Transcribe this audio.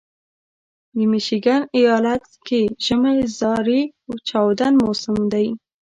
د میشیګن ایالت کې ژمی زارې چاودون موسم دی.